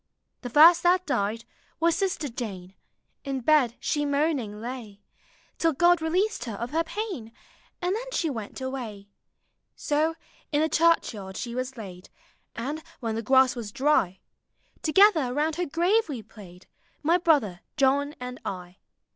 " The first that died was Sister Jane; In bed she moaning lay, Till (Jod released her of her pain; Aud then she went away. " So in the churchyard she was laid; And, when the grass was dry. Together round her grave we played, My brother John and I.